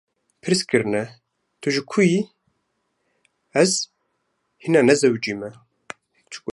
Pirs kirine tu ji ku yî, ‘ez hîna nezewujime’